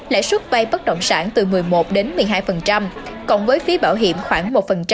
lãi suất vay bất động sản từ một mươi một đến một mươi hai cộng với phí bảo hiểm khoảng một